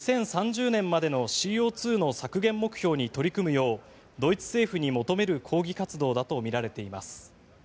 国連が掲げる２０３０年までのＣＯ２の削減目標に取り組むようドイツ政府に求める抗議活動だとみられています。